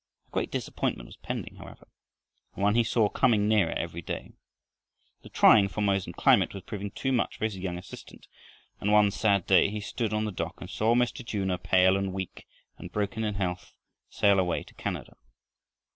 A great disappointment was pending, however, and one he saw coming nearer every day. The trying Formosan climate was proving too much for his young assistant, and one sad day he stood on the dock and saw Mr. Junor, pale and weak and broken in health, sail away back to Canada.